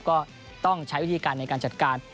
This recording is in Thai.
ก็ต้องใช้วิธีการในการจัดการ